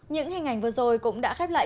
những hình ảnh vừa rồi cũng đã khép lại